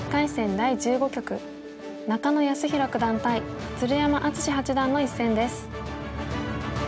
第１５局中野泰宏九段対鶴山淳志八段の一戦です。